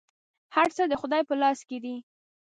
هر څه د خدای په لاس کي دي .